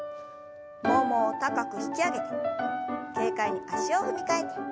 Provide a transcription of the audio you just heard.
ももを高く引き上げて軽快に足を踏み替えて。